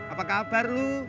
apa kabar lu